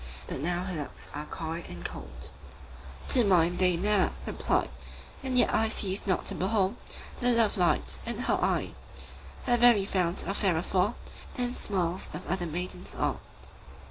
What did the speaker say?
But now her looks are coy and cold, To mine they ne'er reply, And yet I cease not to behold The love light in her eye: 10 Her very frowns are fairer far Than smiles of other maidens are.